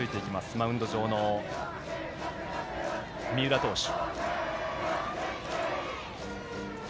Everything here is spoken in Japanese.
マウンド上の三浦投手。